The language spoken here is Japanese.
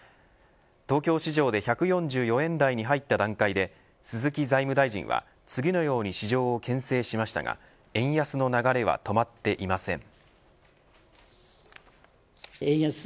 東京市場で１４４円台に入った段階で鈴木財務大臣は、次のように市場をけん制しましたが円安の流れは止まっていません。